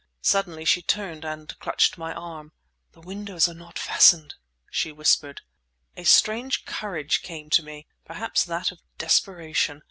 Suddenly she turned and clutched my arm. "The windows are not fastened!" she whispered. A strange courage came to me—perhaps that of desperation.